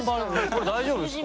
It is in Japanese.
これ大丈夫ですか？